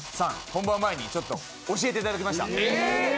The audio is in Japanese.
本番前に教えていただきました。